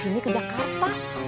di sini ke jakarta